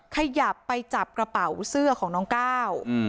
ขยับไปจับกระเป๋าเสื้อของน้องก้าว